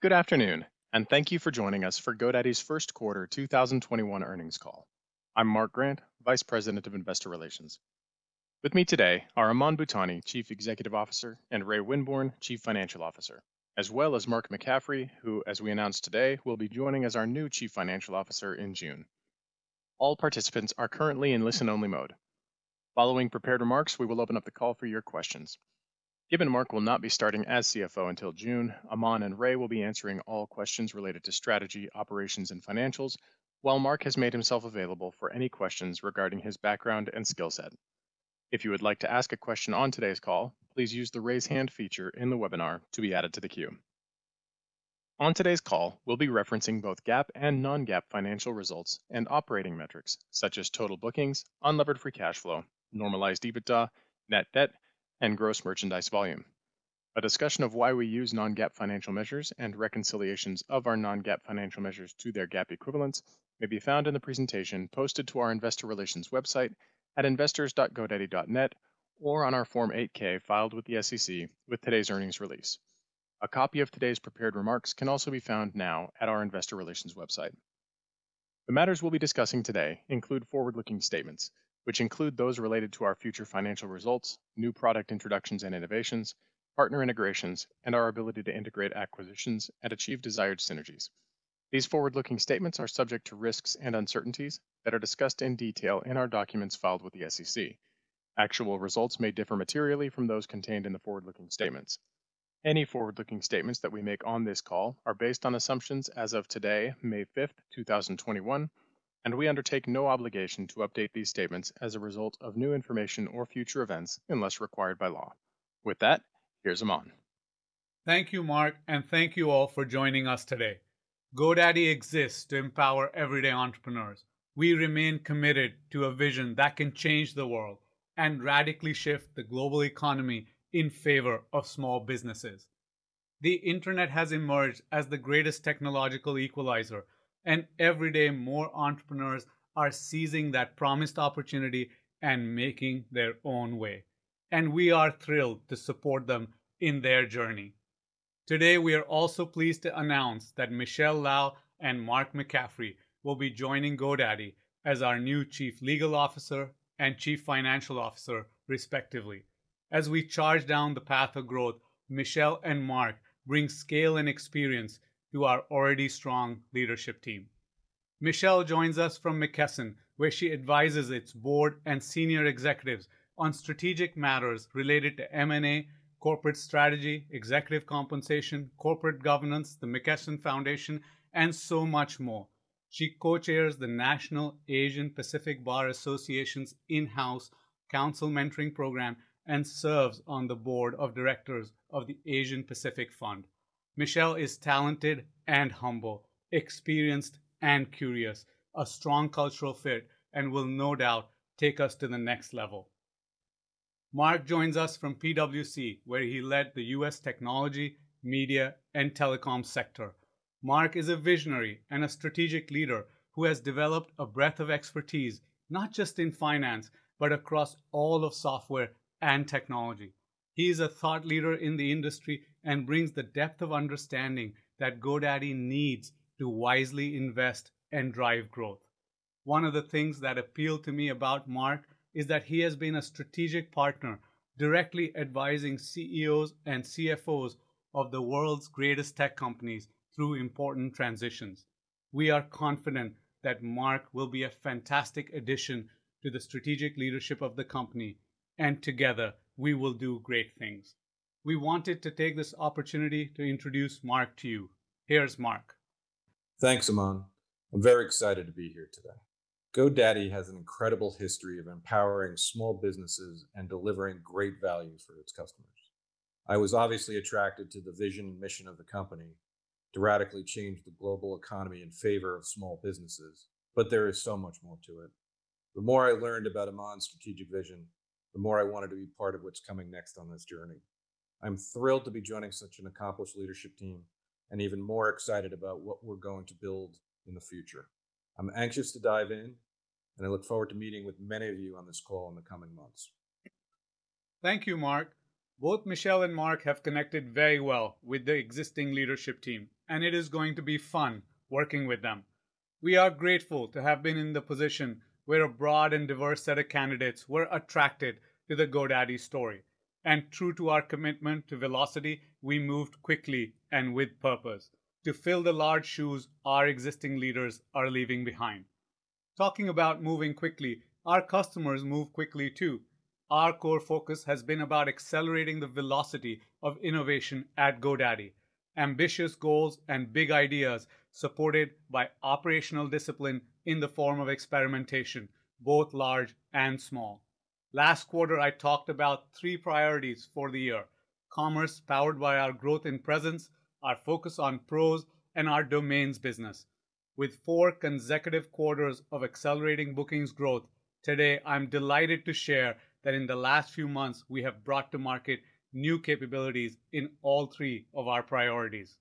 Good afternoon, and thank you for joining us for GoDaddy's first quarter 2021 earnings call. I'm Mark Grant, Vice President of Investor Relations. With me today are Aman Bhutani, Chief Executive Officer, and Ray Winborne, Chief Financial Officer, as well as Mark McCaffrey, who, as we announced today, will be joining as our new Chief Financial Officer in June. All participants are currently in listen-only mode. Following prepared remarks, we will open up the call for your questions. Given Mark will not be starting as CFO until June, Aman and Ray will be answering all questions related to strategy, operations, and financials, while Mark has made himself available for any questions regarding his background and skillset. If you would like to ask a question on today's call, please use the raise hand feature in the webinar to be added to the queue. On today's call, we'll be referencing both GAAP and non-GAAP financial results and operating metrics, such as total bookings, unlevered free cash flow, normalized EBITDA, net debt, and gross merchandise volume. A discussion of why we use non-GAAP financial measures and reconciliations of our non-GAAP financial measures to their GAAP equivalents may be found in the presentation posted to our investor relations website at investors.godaddy.net or on our Form 8-K filed with the SEC with today's earnings release. A copy of today's prepared remarks can also be found now at our investor relations website. The matters we'll be discussing today include forward-looking statements, which include those related to our future financial results, new product introductions and innovations, partner integrations, and our ability to integrate acquisitions and achieve desired synergies. These forward-looking statements are subject to risks and uncertainties that are discussed in detail in our documents filed with the SEC. Actual results may differ materially from those contained in the forward-looking statements. Any forward-looking statements that we make on this call are based on assumptions as of today, May 5th, 2021, and we undertake no obligation to update these statements as a result of new information or future events unless required by law. With that, here's Aman. Thank you, Mark, and thank you all for joining us today. GoDaddy exists to empower everyday entrepreneurs. We remain committed to a vision that can change the world and radically shift the global economy in favor of small businesses. The internet has emerged as the greatest technological equalizer, and every day, more entrepreneurs are seizing that promised opportunity and making their own way, and we are thrilled to support them in their journey. Today, we are also pleased to announce that Michele Lau and Mark McCaffrey will be joining GoDaddy as our new Chief Legal Officer and Chief Financial Officer respectively. As we charge down the path of growth, Michele and Mark bring scale and experience to our already strong leadership team. Michele joins us from McKesson, where she advises its board and senior executives on strategic matters related to M&A, corporate strategy, executive compensation, corporate governance, the McKesson Foundation, and so much more. She co-chairs the National Asian Pacific American Bar Association's in-house counsel mentoring program and serves on the board of directors of the Asian Pacific Fund. Michele is talented and humble, experienced and curious, a strong cultural fit, and will no doubt take us to the next level. Mark joins us from PwC, where he led the U.S. technology, media, and telecom sector. Mark is a visionary and a strategic leader who has developed a breadth of expertise, not just in finance, but across all of software and technology. He is a thought leader in the industry and brings the depth of understanding that GoDaddy needs to wisely invest and drive growth. One of the things that appealed to me about Mark is that he has been a strategic partner, directly advising CEOs and CFOs of the world's greatest tech companies through important transitions. We are confident that Mark will be a fantastic addition to the strategic leadership of the company, and together we will do great things. We wanted to take this opportunity to introduce Mark to you. Here's Mark. Thanks, Aman. I'm very excited to be here today. GoDaddy has an incredible history of empowering small businesses and delivering great value for its customers. I was obviously attracted to the vision and mission of the company to radically change the global economy in favor of small businesses, but there is so much more to it. The more I learned about Aman's strategic vision, the more I wanted to be part of what's coming next on this journey. I'm thrilled to be joining such an accomplished leadership team and even more excited about what we're going to build in the future. I'm anxious to dive in, and I look forward to meeting with many of you on this call in the coming months. Thank you, Mark. Both Michele and Mark have connected very well with the existing leadership team, and it is going to be fun working with them. We are grateful to have been in the position where a broad and diverse set of candidates were attracted to the GoDaddy story, and true to our commitment to velocity, we moved quickly and with purpose to fill the large shoes our existing leaders are leaving behind. Talking about moving quickly, our customers move quickly too. Our core focus has been about accelerating the velocity of innovation at GoDaddy, ambitious goals and big ideas supported by operational discipline in the form of experimentation, both large and small. Last quarter, I talked about three priorities for the year, commerce powered by our growth and presence, our focus on pros, and our domains business. With four consecutive quarters of accelerating bookings growth, today I'm delighted to share that in the last few months, we have brought to market new capabilities in all three of our priorities.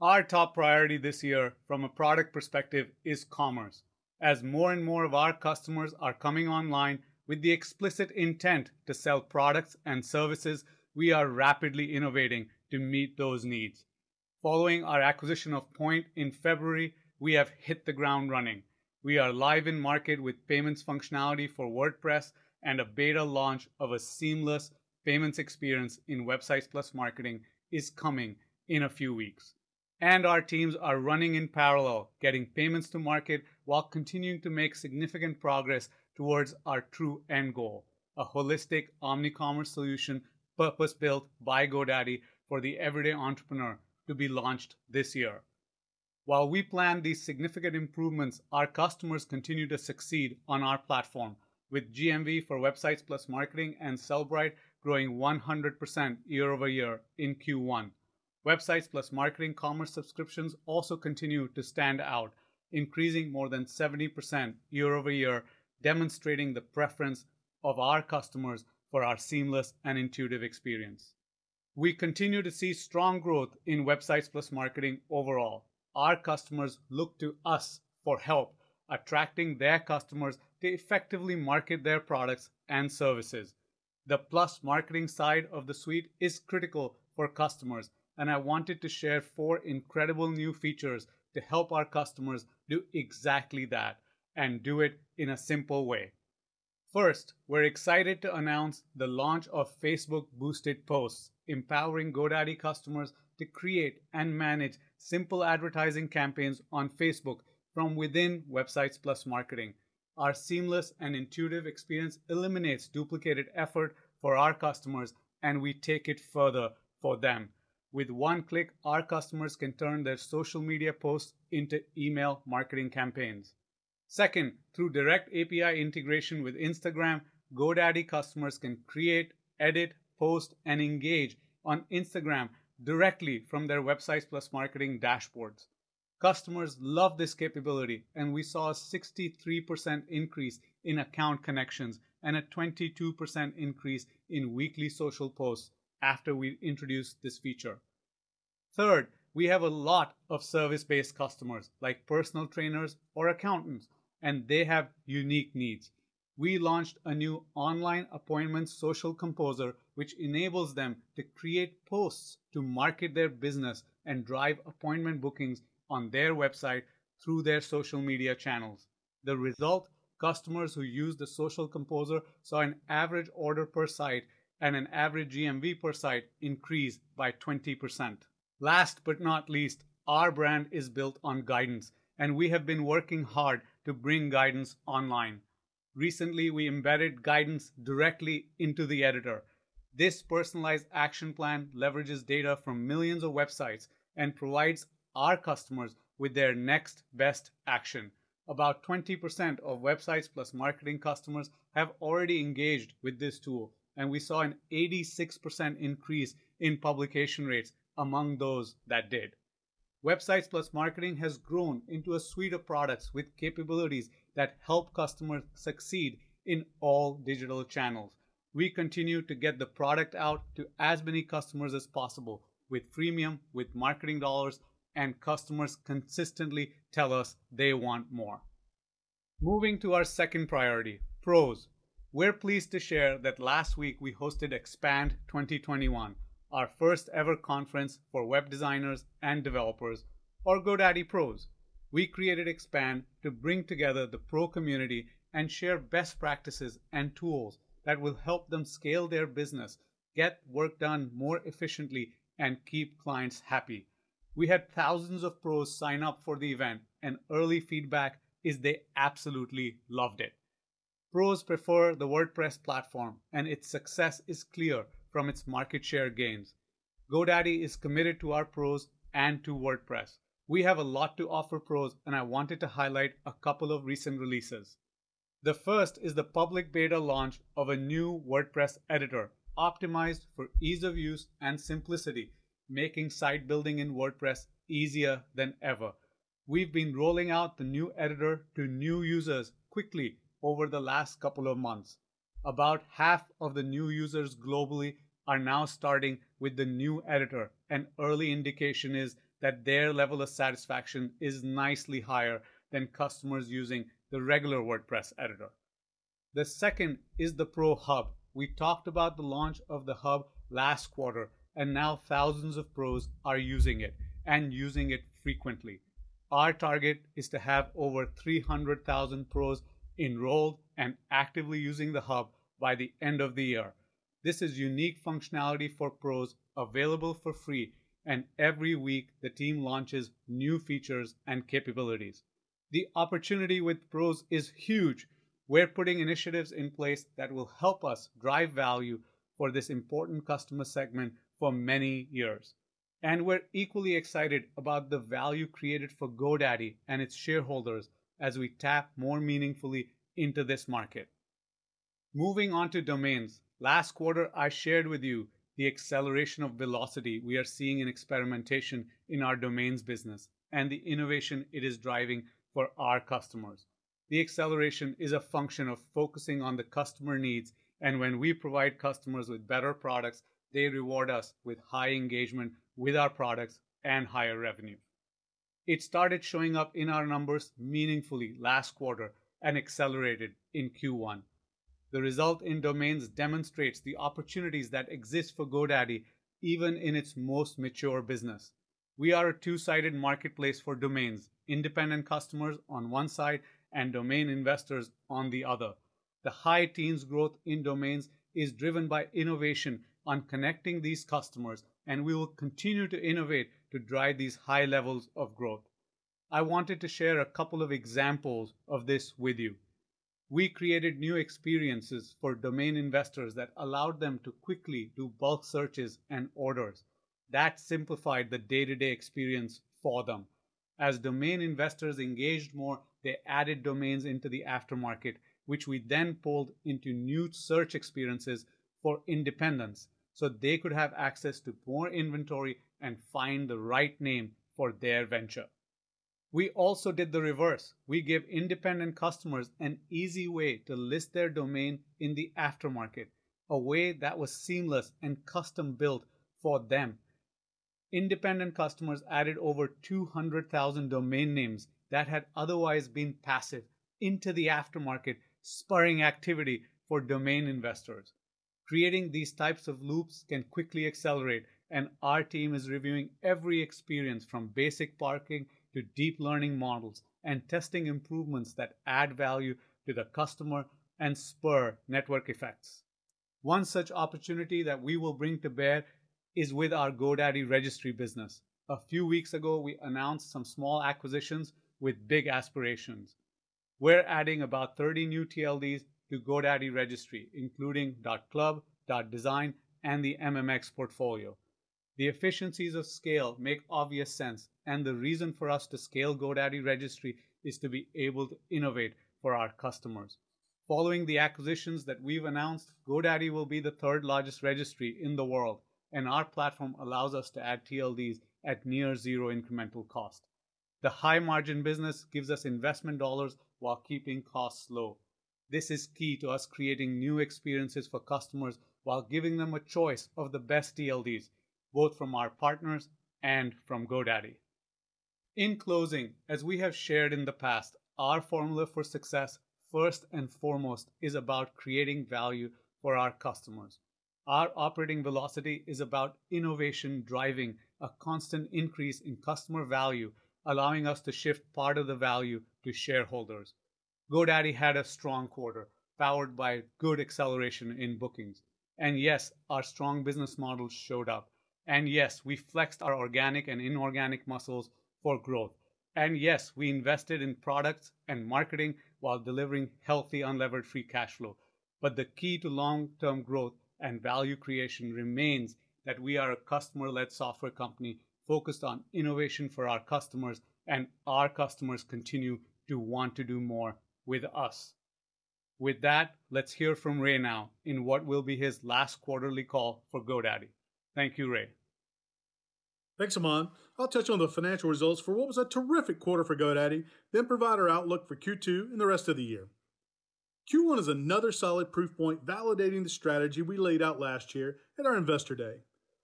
Our top priority this year from a product perspective is commerce. As more and more of our customers are coming online with the explicit intent to sell products and services, we are rapidly innovating to meet those needs. Following our acquisition of Poynt in February, we have hit the ground running. We are live in market with payments functionality for WordPress, and a beta launch of a seamless payments experience in Websites + Marketing is coming in a few weeks. Our teams are running in parallel, getting payments to market while continuing to make significant progress towards our true end goal, a holistic omnicommerce solution purpose-built by GoDaddy for the everyday entrepreneur to be launched this year. While we plan these significant improvements, our customers continue to succeed on our platform, with GMV for Websites + Marketing and Sellbrite growing 100% year-over-year in Q1. Websites + Marketing commerce subscriptions also continue to stand out, increasing more than 70% year-over-year, demonstrating the preference of our customers for our seamless and intuitive experience. We continue to see strong growth in Websites + Marketing overall. Our customers look to us for help attracting their customers to effectively market their products and services. The + Marketing side of the suite is critical for customers, and I wanted to share four incredible new features to help our customers do exactly that and do it in a simple way. First, we're excited to announce the launch of Facebook boosted posts, empowering GoDaddy customers to create and manage simple advertising campaigns on Facebook from within Websites + Marketing. Our seamless and intuitive experience eliminates duplicated effort for our customers, and we take it further for them. With one click, our customers can turn their social media posts into email marketing campaigns. Second, through direct API integration with Instagram, GoDaddy customers can create, edit, post, and engage on Instagram directly from their Websites + Marketing dashboards. Customers love this capability, and we saw a 63% increase in account connections and a 22% increase in weekly social posts after we introduced this feature. Third, we have a lot of service-based customers, like personal trainers or accountants, and they have unique needs. We launched a new online appointment social composer, which enables them to create posts to market their business and drive appointment bookings on their website through their social media channels. The result, customers who use the social composer saw an average order per site and an average GMV per site increase by 20%. Last but not least, our brand is built on guidance, and we have been working hard to bring guidance online. Recently, we embedded guidance directly into the editor. This personalized action plan leverages data from millions of websites and provides our customers with their next best action. About 20% of Websites + Marketing customers have already engaged with this tool, and we saw an 86% increase in publication rates among those that did. Websites + Marketing has grown into a suite of products with capabilities that help customers succeed in all digital channels. We continue to get the product out to as many customers as possible with freemium, with marketing dollars, and customers consistently tell us they want more. Moving to our second priority, pros. We're pleased to share that last week we hosted Expand 2021, our first ever conference for web designers and developers, or GoDaddy pros. We created Expand to bring together the pro community and share best practices and tools that will help them scale their business, get work done more efficiently, and keep clients happy. We had thousands of pros sign up for the event, and early feedback is they absolutely loved it. Pros prefer the WordPress platform, and its success is clear from its market share gains. GoDaddy is committed to our pros and to WordPress. We have a lot to offer pros, and I wanted to highlight a couple of recent releases. The first is the public beta launch of a new WordPress editor optimized for ease of use and simplicity, making site building in WordPress easier than ever. We've been rolling out the new editor to new users quickly over the last couple of months. About half of the new users globally are now starting with the new editor. An early indication is that their level of satisfaction is nicely higher than customers using the regular WordPress editor. The second is the Pro Hub. Now thousands of pros are using it, and using it frequently. Our target is to have over 300,000 pros enrolled and actively using the Hub by the end of the year. This is unique functionality for pros available for free. Every week, the team launches new features and capabilities. The opportunity with pros is huge. We're putting initiatives in place that will help us drive value for this important customer segment for many years, and we're equally excited about the value created for GoDaddy and its shareholders as we tap more meaningfully into this market. Moving on to domains. Last quarter, I shared with you the acceleration of velocity we are seeing in experimentation in our domains business and the innovation it is driving for our customers. The acceleration is a function of focusing on the customer needs, and when we provide customers with better products, they reward us with high engagement with our products and higher revenue. It started showing up in our numbers meaningfully last quarter and accelerated in Q1. The result in domains demonstrates the opportunities that exist for GoDaddy, even in its most mature business. We are a two-sided marketplace for domains, independent customers on one side and domain investors on the other. The high teens growth in domains is driven by innovation on connecting these customers, and we will continue to innovate to drive these high levels of growth. I wanted to share a couple of examples of this with you. We created new experiences for domain investors that allowed them to quickly do bulk searches and orders. That simplified the day-to-day experience for them. As domain investors engaged more, they added domains into the aftermarket, which we then pulled into new search experiences for independents, so they could have access to more inventory and find the right name for their venture. We also did the reverse. We give independent customers an easy way to list their domain in the aftermarket, a way that was seamless and custom-built for them. Independent customers added over 200,000 domain names that had otherwise been passive into the aftermarket, spurring activity for domain investors. Creating these types of loops can quickly accelerate, and our team is reviewing every experience from basic parking to deep learning models and testing improvements that add value to the customer and spur network effects. One such opportunity that we will bring to bear is with our GoDaddy Registry business. A few weeks ago, we announced some small acquisitions with big aspirations. We're adding about 30 new TLDs to GoDaddy Registry, including .club, .design, and the MMX portfolio. The efficiencies of scale make obvious sense, and the reason for us to scale GoDaddy Registry is to be able to innovate for our customers. Following the acquisitions that we've announced, GoDaddy will be the third largest registry in the world. Our platform allows us to add TLDs at near zero incremental cost. The high margin business gives us investment dollars while keeping costs low. This is key to us creating new experiences for customers while giving them a choice of the best TLDs, both from our partners and from GoDaddy. In closing, as we have shared in the past, our formula for success first and foremost is about creating value for our customers. Our operating velocity is about innovation driving a constant increase in customer value, allowing us to shift part of the value to shareholders. GoDaddy had a strong quarter powered by good acceleration in bookings. Yes, our strong business model showed up. Yes, we flexed our organic and inorganic muscles for growth. Yes, we invested in products and marketing while delivering healthy unlevered free cash flow. But the key to long-term growth and value creation remains that we are a customer-led software company focused on innovation for our customers, and our customers continue to want to do more with us. With that, let's hear from Ray now in what will be his last quarterly call for GoDaddy. Thank you, Ray. Thanks, Aman. I'll touch on the financial results for what was a terrific quarter for GoDaddy, then provide our outlook for Q2 and the rest of the year. Q1 is another solid proof point validating the strategy we laid out last year at our investor day.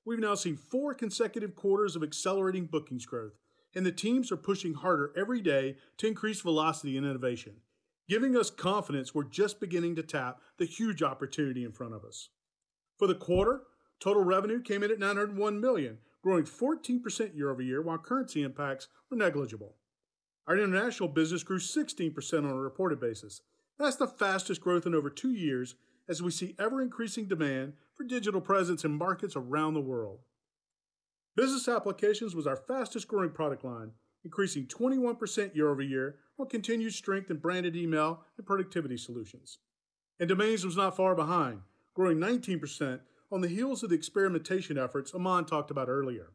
We've now seen four consecutive quarters of accelerating bookings growth, and the teams are pushing harder every day to increase velocity and innovation, giving us confidence we're just beginning to tap the huge opportunity in front of us. For the quarter, total revenue came in at $901 million, growing 14% year-over-year, while currency impacts were negligible. Our international business grew 16% on a reported basis. That's the fastest growth in over two years as we see ever-increasing demand for digital presence in markets around the world. Business applications was our fastest-growing product line, increasing 21% year-over-year while continued strength in branded email and productivity solutions. Domains was not far behind, growing 19% on the heels of the experimentation efforts Aman talked about earlier.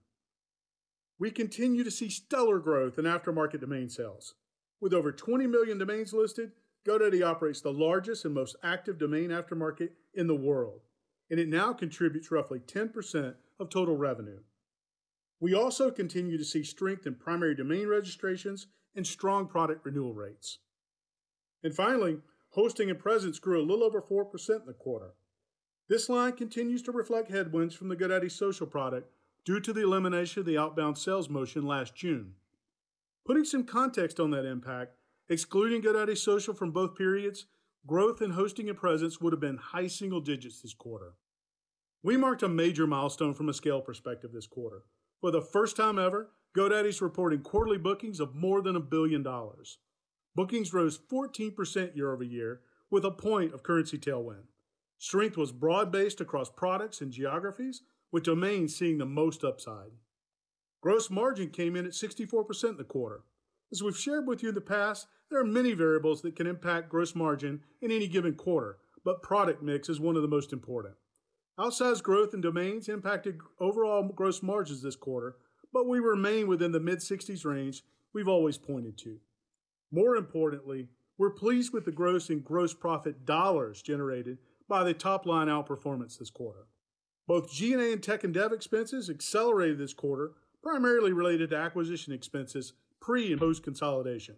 We continue to see stellar growth in aftermarket domain sales. With over 20 million domains listed, GoDaddy operates the largest and most active domain aftermarket in the world, and it now contributes roughly 10% of total revenue. We also continue to see strength in primary domain registrations and strong product renewal rates. Finally, hosting and presence grew a little over 4% in the quarter. This line continues to reflect headwinds from the GoDaddy Social product due to the elimination of the outbound sales motion last June. Putting some context on that impact, excluding GoDaddy Social from both periods, growth in hosting and presence would've been high single digits this quarter. We marked a major milestone from a scale perspective this quarter. For the first time ever, GoDaddy's reporting quarterly bookings of more than $1 billion. Bookings rose 14% year-over-year with a point of currency tailwind. Strength was broad-based across products and geographies, with domains seeing the most upside. Gross margin came in at 64% in the quarter. As we've shared with you in the past, there are many variables that can impact gross margin in any given quarter, but product mix is one of the most important. Outsized growth in domains impacted overall gross margins this quarter, but we remain within the mid-60s range we've always pointed to. More importantly, we're pleased with the growth in gross profit dollars generated by the top-line outperformance this quarter. Both G&A and tech and dev expenses accelerated this quarter, primarily related to acquisition expenses pre- and post-consolidation.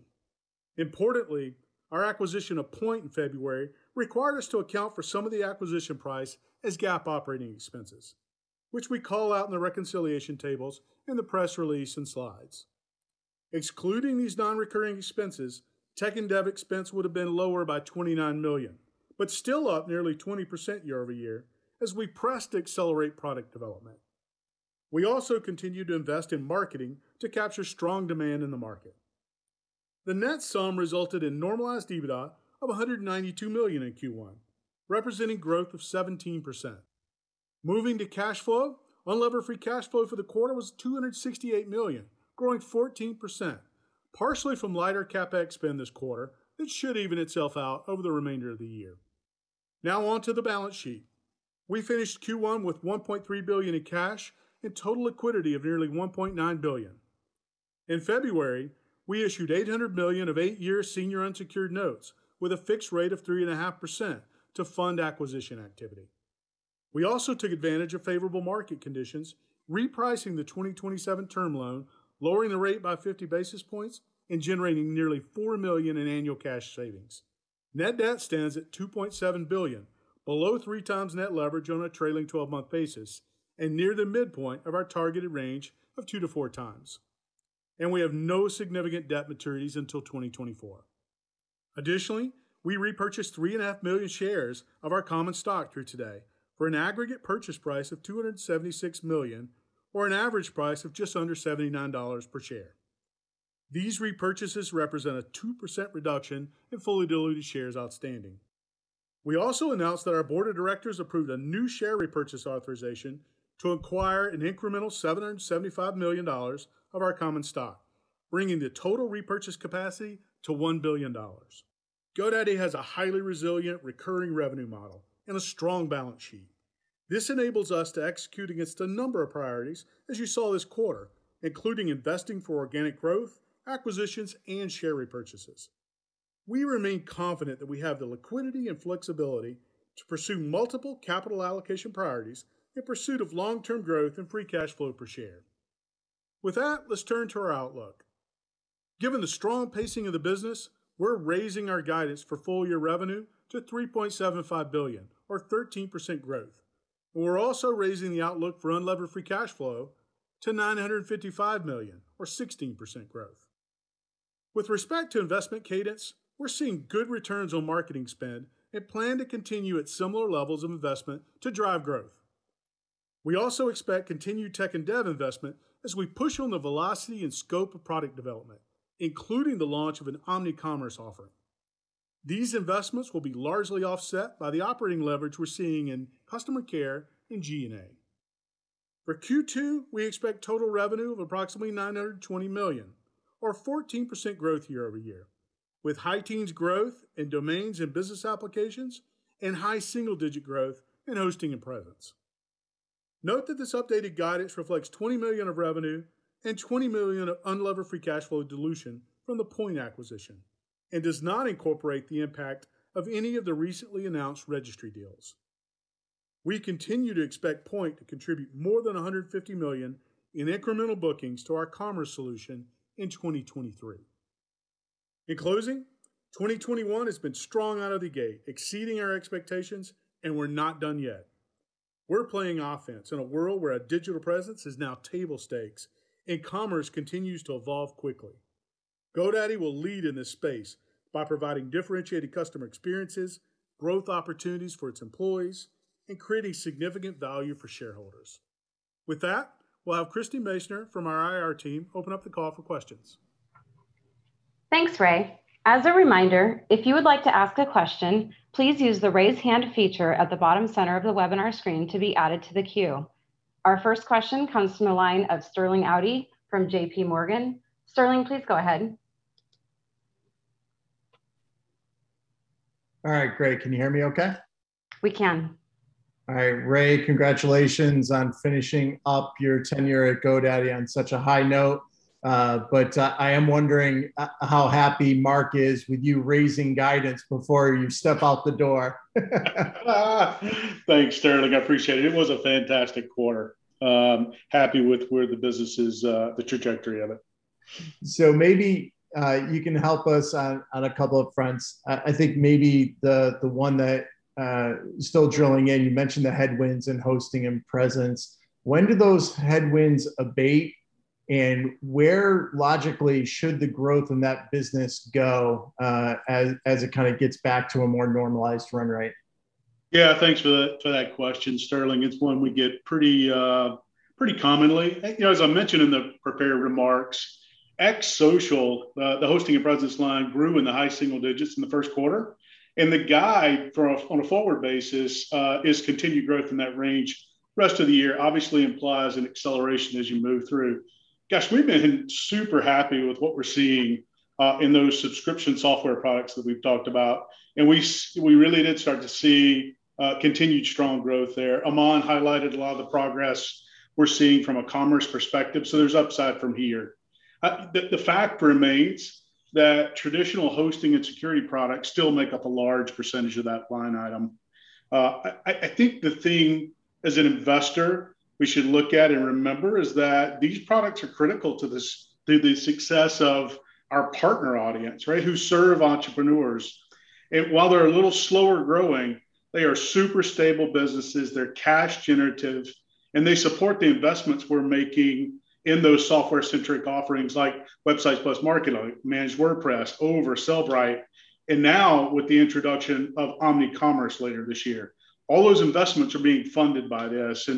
Importantly, our acquisition of Poynt in February required us to account for some of the acquisition price as GAAP operating expenses, which we call out in the reconciliation tables in the press release and slides. Excluding these non-recurring expenses, tech and dev expense would have been lower by $29 million, but still up nearly 20% year-over-year as we press to accelerate product development. We also continue to invest in marketing to capture strong demand in the market. The net sum resulted in normalized EBITDA of $192 million in Q1, representing growth of 17%. Moving to cash flow, unlevered free cash flow for the quarter was $268 million, growing 14%, partially from lighter CapEx spend this quarter that should even itself out over the remainder of the year. Now on to the balance sheet. We finished Q1 with $1.3 billion in cash and total liquidity of nearly $1.9 billion. In February, we issued $800 million of eight-year senior unsecured notes with a fixed rate of 3.5% to fund acquisition activity. We also took advantage of favorable market conditions, repricing the 2027 term loan, lowering the rate by 50 basis points, and generating nearly $4 million in annual cash savings. Net debt stands at $2.7 billion, below three times net leverage on a trailing 12-month basis and near the midpoint of our targeted range of two to four times. We have no significant debt maturities until 2024. Additionally, we repurchased 3.5 million shares of our common stock through today for an aggregate purchase price of $276 million, or an average price of just under $79 per share. These repurchases represent a 2% reduction in fully diluted shares outstanding. We also announced that our board of directors approved a new share repurchase authorization to acquire an incremental $775 million of our common stock, bringing the total repurchase capacity to $1 billion. GoDaddy has a highly resilient recurring revenue model and a strong balance sheet. This enables us to execute against a number of priorities, as you saw this quarter, including investing for organic growth, acquisitions, and share repurchases. We remain confident that we have the liquidity and flexibility to pursue multiple capital allocation priorities in pursuit of long-term growth and free cash flow per share. With that, let's turn to our outlook. Given the strong pacing of the business, we're raising our guidance for full-year revenue to $3.75 billion, or 13% growth, and we're also raising the outlook for unlevered free cash flow to $955 million, or 16% growth. With respect to investment cadence, we're seeing good returns on marketing spend and plan to continue at similar levels of investment to drive growth. We also expect continued tech and dev investment as we push on the velocity and scope of product development, including the launch of an omnicommerce offering. These investments will be largely offset by the operating leverage we're seeing in customer care and G&A. For Q2, we expect total revenue of approximately $920 million, or 14% growth year-over-year, with high teens growth in domains and business applications and high single-digit growth in hosting and presence. Note that this updated guidance reflects $20 million of revenue and $20 million of unlevered free cash flow dilution from the Poynt acquisition and does not incorporate the impact of any of the recently announced registry deals. We continue to expect Poynt to contribute more than $150 million in incremental bookings to our commerce solution in 2023. In closing, 2021 has been strong out of the gate, exceeding our expectations, and we're not done yet. We're playing offense in a world where a digital presence is now table stakes and commerce continues to evolve quickly. GoDaddy will lead in this space by providing differentiated customer experiences, growth opportunities for its employees, and creating significant value for shareholders. With that, we'll have Christie Masoner from our IR team open up the call for questions. Thanks, Ray. As a reminder, if you would like to ask a question, please use the Raise Hand feature at the bottom center of the webinar screen to be added to the queue. Our first question comes from the line of Sterling Auty from JPMorgan. Sterling, please go ahead. All right, great. Can you hear me okay? We can. All right. Ray, congratulations on finishing up your tenure at GoDaddy on such a high note. I am wondering how happy Mark is with you raising guidance before you step out the door? Thanks, Sterling. I appreciate it. It was a fantastic quarter. I'm happy with where the business is, the trajectory of it. Maybe you can help us on a couple of fronts. I think maybe the one that, still drilling in, you mentioned the headwinds in hosting and presence. When do those headwinds abate, and where, logically, should the growth in that business go as it kind of gets back to a more normalized run rate? Yeah, thanks for that question, Sterling. It's one we get pretty commonly. As I mentioned in the prepared remarks, ex social, the hosting and presence line grew in the high single digits in the first quarter, and the guide on a forward basis is continued growth in that range the rest of the year. Obviously implies an acceleration as you move through. Gosh, we've been super happy with what we're seeing in those subscription software products that we've talked about, and we really did start to see continued strong growth there. Aman highlighted a lot of the progress we're seeing from a commerce perspective, so there's upside from here. The fact remains that traditional hosting and security products still make up a large percentage of that line item. I think the thing, as an investor, we should look at and remember is that these products are critical to the success of our partner audience, right, who serve entrepreneurs, while they're a little slower growing. They are super stable businesses, they're cash generative, and they support the investments we're making in those software-centric offerings like Websites + Marketing, Managed WordPress, Over, Sellbrite, and now with the introduction of omnicommerce later this year. All those investments are being funded by this.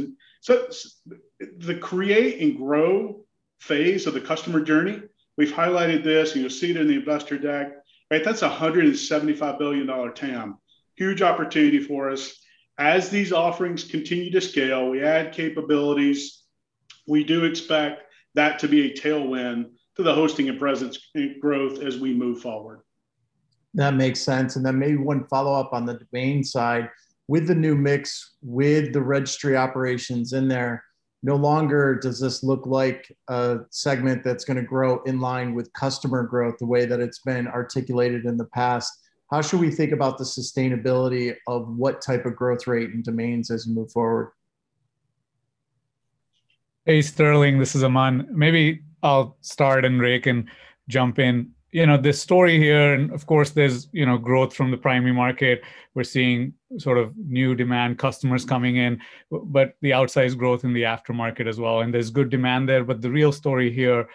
The create and grow phase of the customer journey, we've highlighted this, and you'll see it in the investor deck, right? That's a $175 billion TAM. Huge opportunity for us. As these offerings continue to scale, we add capabilities. We do expect that to be a tailwind to the hosting and presence growth as we move forward. That makes sense. Then maybe one follow-up on the domain side. With the new mix, with the registry operations in there, no longer does this look like a segment that's going to grow in line with customer growth the way that it's been articulated in the past. How should we think about the sustainability of what type of growth rate in domains as we move forward? Hey, Sterling, this is Aman. Maybe I'll start. Ray can jump in. The story here. Of course there's growth from the primary market. We're seeing sort of new demand customers coming in. The outsized growth in the aftermarket as well. There's good demand there. The real story here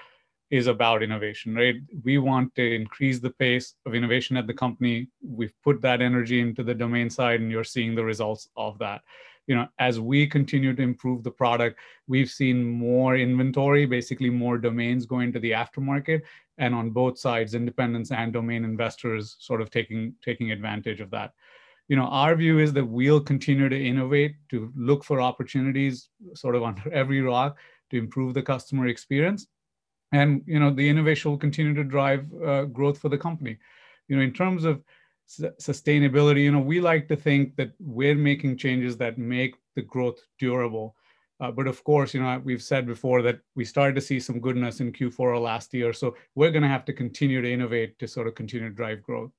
is about innovation, right? We want to increase the pace of innovation at the company. We've put that energy into the domain side. You're seeing the results of that. As we continue to improve the product, we've seen more inventory, basically more domains going to the aftermarket. On both sides, independents and domain investors sort of taking advantage of that. Our view is that we'll continue to innovate, to look for opportunities sort of under every rock to improve the customer experience. The innovation will continue to drive growth for the company. In terms of sustainability, we like to think that we're making changes that make the growth durable. Of course, we've said before that we started to see some goodness in Q4 of last year, so we're going to have to continue to innovate to sort of continue to drive growth.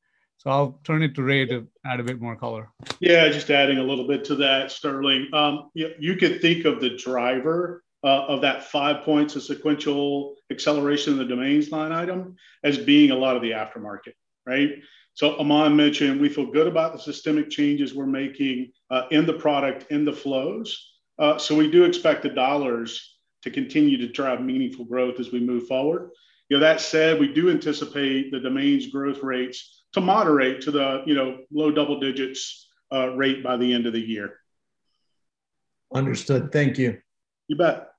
I'll turn it to Ray to add a bit more color. Just adding a little bit to that, Sterling. You could think of the driver of that five points of sequential acceleration in the domains line item as being a lot of the aftermarket, right? Aman mentioned we feel good about the systemic changes we're making in the product, in the flows. We do expect the dollars to continue to drive meaningful growth as we move forward. That said, we do anticipate the domains growth rates to moderate to the low double-digits rate by the end of the year. Understood. Thank you. You bet.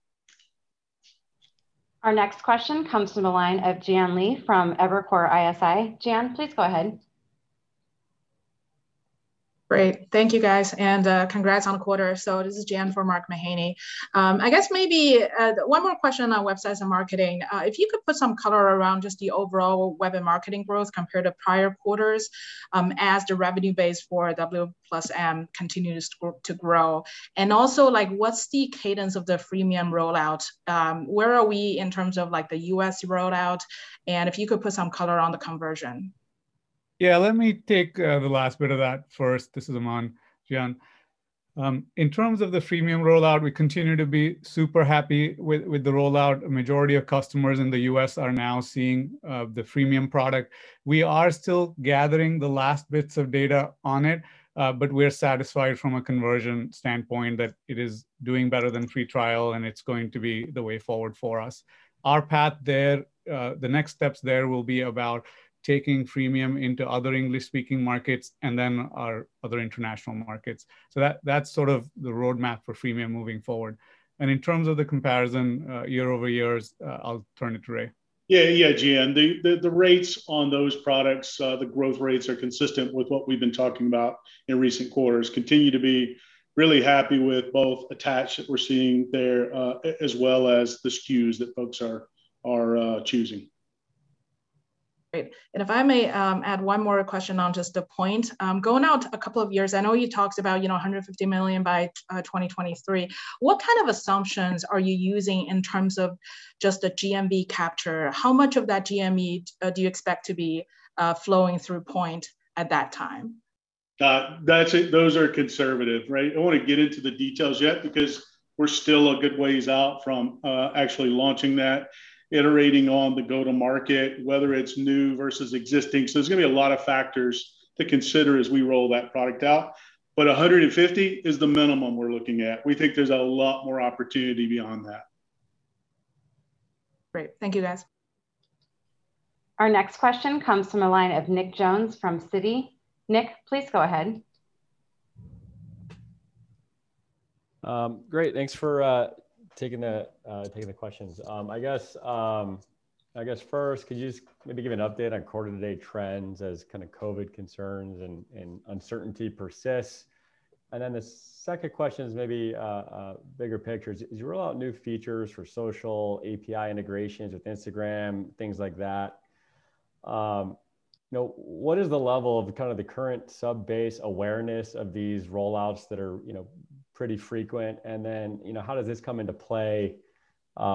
Our next question comes from the line of Jian Li from Evercore ISI. Jian, please go ahead. Great. Thank you, guys, and congrats on the quarter. This is Jian for Mark Mahaney. I guess maybe one more question on Websites + Marketing. If you could put some color around just the overall web and marketing growth compared to prior quarters as the revenue base for W+M continues to grow. Also, what's the cadence of the freemium rollout? Where are we in terms of the U.S. rollout? If you could put some color on the conversion. Yeah, let me take the last bit of that first. This is Aman, Jian. In terms of the freemium rollout, we continue to be super happy with the rollout. A majority of customers in the U.S. are now seeing the freemium product. We are still gathering the last bits of data on it, but we're satisfied from a conversion standpoint that it is doing better than free trial and it's going to be the way forward for us. Our path there, the next steps there will be about taking freemium into other English-speaking markets and then our other international markets. That's sort of the roadmap for freemium moving forward. In terms of the comparison year-over-year, I'll turn it to Ray. Yeah, Jian. The rates on those products, the growth rates are consistent with what we've been talking about in recent quarters. Continue to be really happy with both attach that we're seeing there, as well as the SKUs that folks are choosing. Great. If I may add one more question on just the Poynt. Going out a couple of years, I know you talked about $150 million by 2023. What kind of assumptions are you using in terms of just the GMV capture? How much of that GMV do you expect to be flowing through Poynt at that time? Those are conservative, right? I won't get into the details yet because we're still a good ways out from actually launching that, iterating on the go to market, whether it's new versus existing. There's going to be a lot of factors to consider as we roll that product out. 150 is the minimum we're looking at. We think there's a lot more opportunity beyond that. Great. Thank you, guys. Our next question comes from the line of Nick Jones from Citi. Nick, please go ahead. Great, thanks for taking the questions. I guess first, could you just maybe give an update on quarter-to-date trends as kind of COVID concerns and uncertainty persists? The second question is maybe a bigger picture. As you roll out new features for social API integrations with Instagram, things like that, what is the level of the kind of the current sub base awareness of these rollouts that are pretty frequent? How does this come into play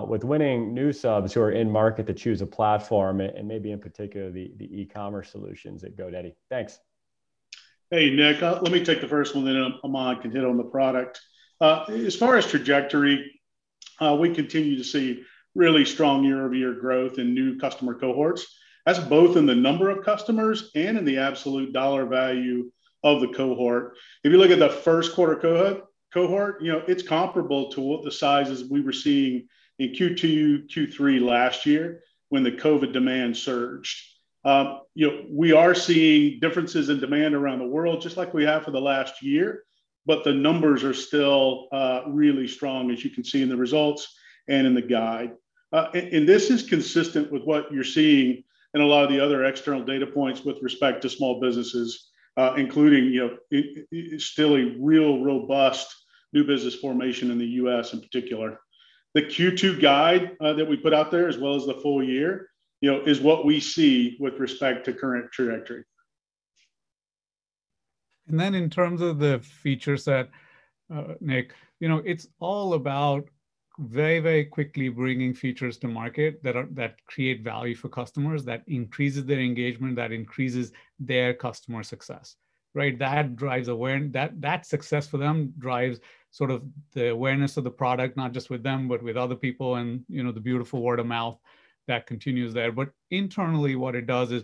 with winning new subs who are in market to choose a platform and maybe in particular, the e-commerce solutions at GoDaddy? Thanks. Hey, Nick. Let me take the first one, then Aman can hit on the product. As far as trajectory. We continue to see really strong year-over-year growth in new customer cohorts. That's both in the number of customers and in the absolute dollar value of the cohort. If you look at the first quarter cohort, it's comparable to what the sizes we were seeing in Q2, Q3 last year when the COVID demand surged. We are seeing differences in demand around the world, just like we have for the last year, but the numbers are still really strong, as you can see in the results and in the guide. This is consistent with what you're seeing in a lot of the other external data points with respect to small businesses, including still a real robust new business formation in the U.S. in particular. The Q2 guide that we put out there, as well as the full year, is what we see with respect to current trajectory. Then in terms of the feature set, Nick, it's all about very, very quickly bringing features to market that create value for customers, that increases their engagement, that increases their customer success, right? That success for them drives sort of the awareness of the product, not just with them, but with other people and the beautiful word of mouth that continues there. Internally, what it does is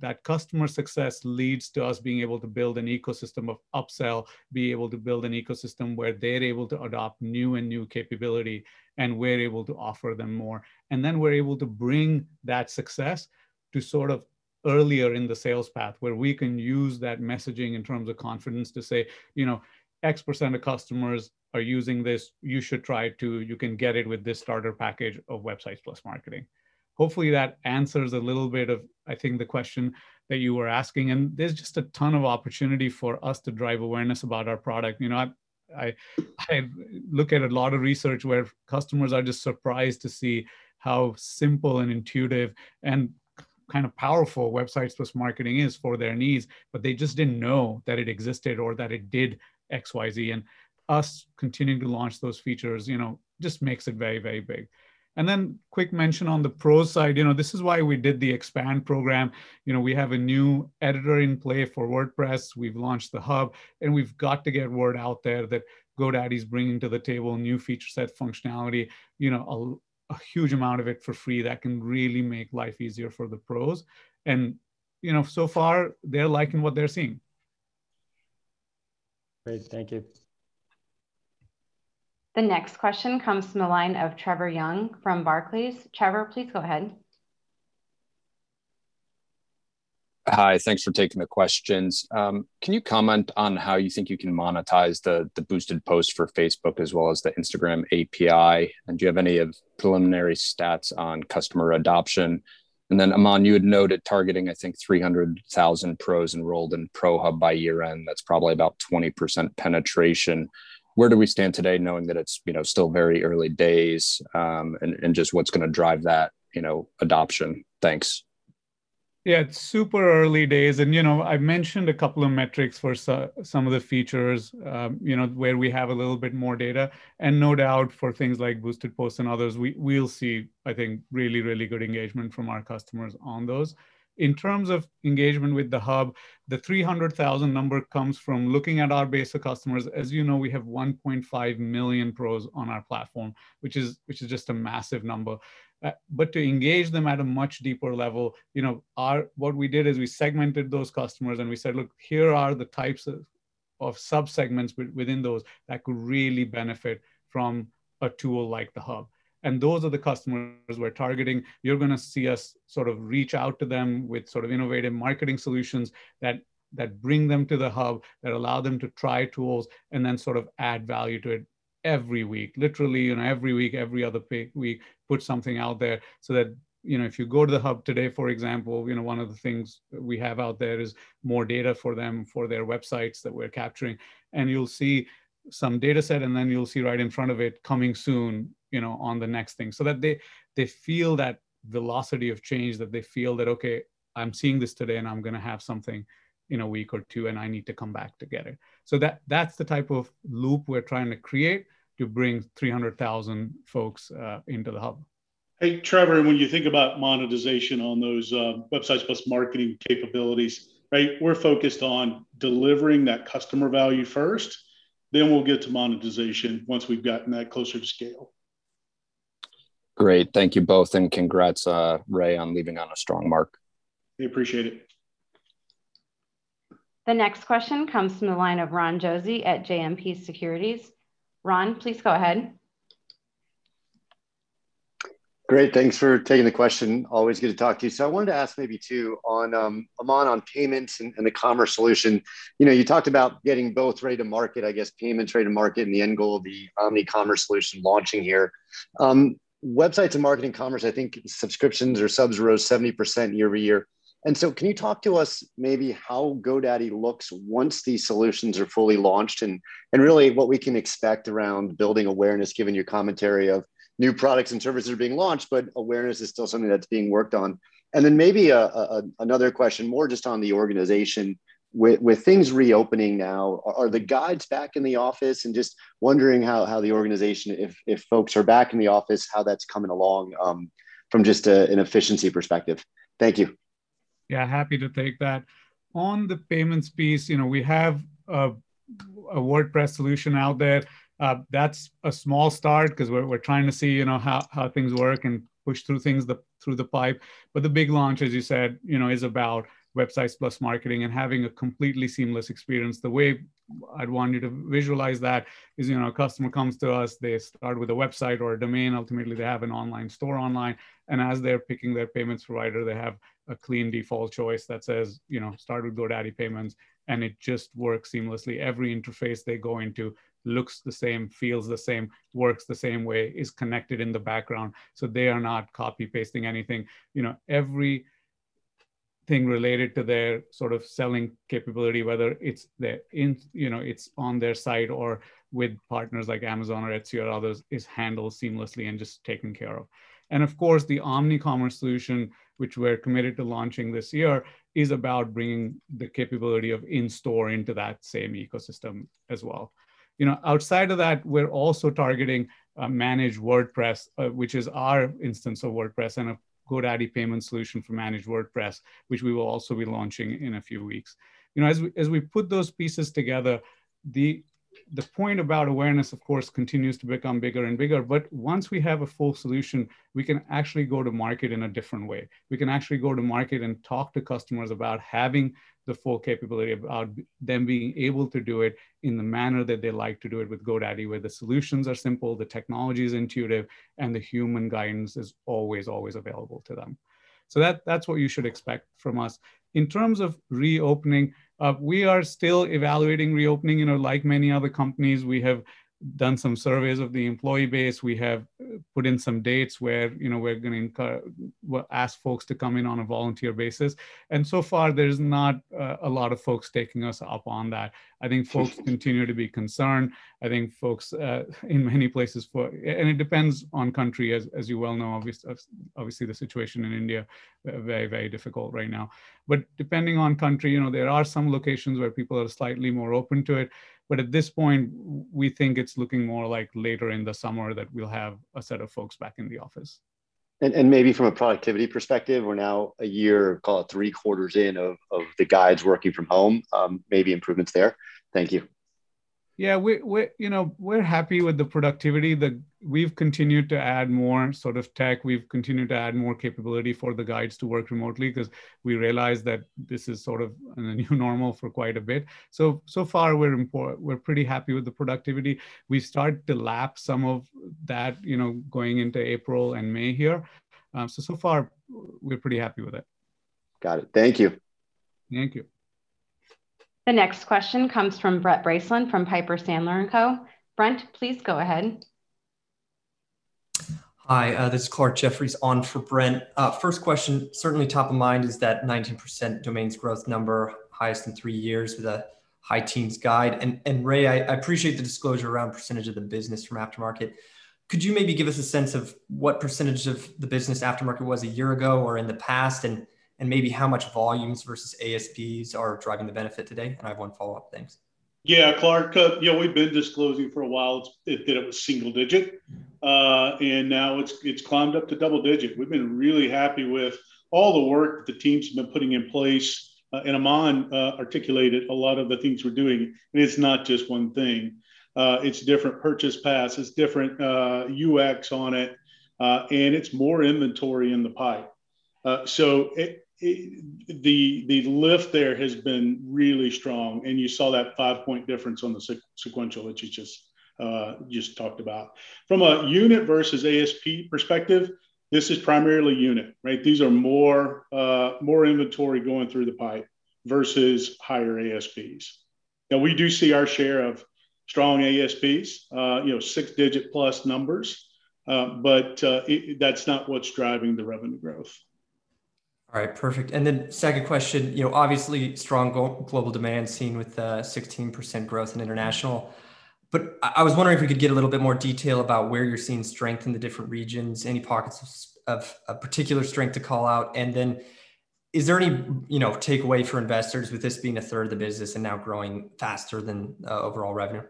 that customer success leads to us being able to build an ecosystem of upsell, be able to build an ecosystem where they're able to adopt new and new capability, and we're able to offer them more. Then we're able to bring that success to sort of earlier in the sales path, where we can use that messaging in terms of confidence to say, "X percent of customers are using this. You should try it, too. You can get it with this starter package of Websites + Marketing." Hopefully that answers a little bit of, I think, the question that you were asking, and there's just a ton of opportunity for us to drive awareness about our product. I look at a lot of research where customers are just surprised to see how simple and intuitive and kind of powerful Websites + Marketing is for their needs, but they just didn't know that it existed or that it did XYZ, and us continuing to launch those features just makes it very, very big. Quick mention on the Pro side, this is why we did the Expand program. We have a new editor in play for WordPress. We've launched the Hub, and we've got to get word out there that GoDaddy's bringing to the table new feature set functionality, a huge amount of it for free that can really make life easier for the Pros. So far, they're liking what they're seeing. Great. Thank you. The next question comes from the line of Trevor Young from Barclays. Trevor, please go ahead. Hi. Thanks for taking the questions. Can you comment on how you think you can monetize the boosted post for Facebook as well as the Instagram API? Do you have any preliminary stats on customer adoption? Aman, you had noted targeting, I think, 300,000 Pros enrolled in Pro Hub by year-end. That's probably about 20% penetration. Where do we stand today knowing that it's still very early days, and just what's going to drive that adoption? Thanks. Yeah, it's super early days, and I've mentioned a couple of metrics for some of the features where we have a little bit more data, and no doubt for things like boosted posts and others, we'll see, I think really, really good engagement from our customers on those. In terms of engagement with the Hub, the 300,000 number comes from looking at our base of customers. As you know, we have 1.5 million Pros on our platform, which is just a massive number. To engage them at a much deeper level, what we did is we segmented those customers and we said, "Look, here are the types of subsegments within those that could really benefit from a tool like the Hub." Those are the customers we're targeting. You're going to see us sort of reach out to them with sort of innovative marketing solutions that bring them to the Hub, that allow them to try tools and then sort of add value to it every week. Literally, every week, every other week, put something out there so that if you go to the Hub today, for example, one of the things we have out there is more data for them, for their websites that we're capturing. You'll see some data set, and then you'll see right in front of it, Coming Soon on the next thing, so that they feel that velocity of change, that they feel that, okay, I'm seeing this today, and I'm going to have something in a week or two, and I need to come back to get it. That's the type of loop we're trying to create to bring 300,000 folks into the Hub. Hey, Trevor, when you think about monetization on those Websites + Marketing capabilities, right? We're focused on delivering that customer value first, then we'll get to monetization once we've gotten that closer to scale. Great. Thank you both, and congrats, Ray, on leaving on a strong mark. We appreciate it. The next question comes from the line of Ron Josey at JMP Securities. Ron, please go ahead. Great. Thanks for taking the question. Always good to talk to you. I wanted to ask maybe, two, Aman, on payments and the commerce solution. You talked about getting both ready to market, I guess payments ready to market and the end goal of the omnicommerce solution launching here. Websites + Marketing commerce, I think subscriptions or subs rose 70% year-over-year. Can you talk to us maybe how GoDaddy looks once these solutions are fully launched, and really what we can expect around building awareness given your commentary of new products and services are being launched, but awareness is still something that's being worked on. Then maybe another question more just on the organization. With things reopening now, are the guides back in the office? Just wondering how the organization, if folks are back in the office, how that's coming along from just an efficiency perspective. Thank you. Yeah, happy to take that. On the payments piece, we have a WordPress solution out there. That's a small start because we're trying to see how things work and push things through the pipe. The big launch, as you said, is about Websites + Marketing and having a completely seamless experience. The way I'd want you to visualize that is, a customer comes to us, they start with a website or a domain, ultimately they have an online store online, and as they're picking their payments provider, they have a clean default choice that says, "Start with GoDaddy Payments," and it just works seamlessly. Every interface they go into looks the same, feels the same, works the same way, is connected in the background, so they are not copy-pasting anything. Everything related to their selling capability, whether it's on their site or with partners like Amazon or Etsy or others, is handled seamlessly and just taken care of. Of course, the omnicommerce solution, which we're committed to launching this year, is about bringing the capability of in-store into that same ecosystem as well. Outside of that, we're also targeting Managed WordPress, which is our instance of WordPress, and a GoDaddy payment solution for Managed WordPress, which we will also be launching in a few weeks. As we put those pieces together, the point about awareness, of course, continues to become bigger and bigger. Once we have a full solution, we can actually go to market in a different way. We can actually go to market and talk to customers about having the full capability, about them being able to do it in the manner that they like to do it with GoDaddy, where the solutions are simple, the technology is intuitive, and the human guidance is always available to them. That's what you should expect from us. In terms of reopening, we are still evaluating reopening. Like many other companies, we have done some surveys of the employee base. We have put in some dates where we're going to ask folks to come in on a volunteer basis. So far there's not a lot of folks taking us up on that. I think folks continue to be concerned. I think folks in many places. It depends on country, as you well know. Obviously, the situation in India, very difficult right now. Depending on country, there are some locations where people are slightly more open to it. At this point, we think it's looking more like later in the summer that we'll have a set of folks back in the office. Maybe from a productivity perspective, we're now a year, call it three quarters in of the guides working from home. Maybe improvements there? Thank you. Yeah. We're happy with the productivity. We've continued to add more tech. We've continued to add more capability for the guides to work remotely because we realize that this is sort of a new normal for quite a bit. So far we're pretty happy with the productivity. We start to lap some of that going into April and May here. So far we're pretty happy with it. Got it. Thank you. Thank you. The next question comes from Brent Bracelin from Piper Sandler & Co. Brent, please go ahead. Hi, this is Clarke Jeffries on for Brent. First question, certainly top of mind is that 19% domains growth number, highest in three years with a high teens guide. Ray, I appreciate the disclosure around percentage of the business from aftermarket. Could you maybe give us a sense of what percentage of the business aftermarket was a year ago or in the past, and maybe how much volumes versus ASPs are driving the benefit today? I have one follow-up. Thanks. Yeah, Clarke. We've been disclosing for a while that it was single digit, and now it's climbed up to double digit. We've been really happy with all the work the teams have been putting in place, and Aman articulated a lot of the things we're doing, and it's not just one thing. It's different purchase paths, it's different UX on it, and it's more inventory in the pipe. The lift there has been really strong, and you saw that five-point difference on the sequential that you just talked about. From a unit versus ASP perspective, this is primarily unit. These are more inventory going through the pipe versus higher ASPs. We do see our share of strong ASPs, six-digit-plus numbers, but that's not what's driving the revenue growth. All right, perfect. Second question. Obviously, strong global demand seen with 16% growth in international. I was wondering if we could get a little bit more detail about where you're seeing strength in the different regions, any pockets of particular strength to call out. Is there any takeaway for investors with this being a third of the business and now growing faster than overall revenue?